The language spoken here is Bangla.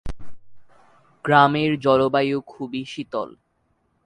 গ্রামের জলবায়ু খুবই শীতল।